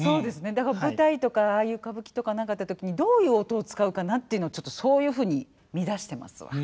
だから舞台とかああいう歌舞伎とか何かあった時にどういう音を使うかなっていうのちょっとそういうふうに見だしてますわ。